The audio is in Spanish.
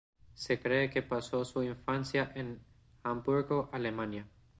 Se cree que pasó su infancia en Hamburgo, Alemania.